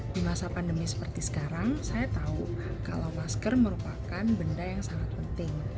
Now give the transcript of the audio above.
di masa pandemi seperti sekarang saya tahu kalau masker merupakan benda yang sangat penting